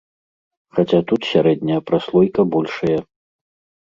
Хаця тут сярэдняя праслойка большая.